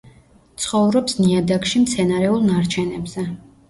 ცხოვრობს ნიადაგში მცენარეულ ნარჩენებზე.